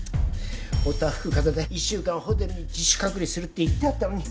おたふくかぜで１週間ホテルに自主隔離するって言ってあったのに。